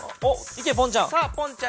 いけポンちゃん。